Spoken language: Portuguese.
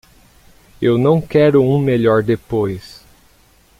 Eu não quero um melhor depois.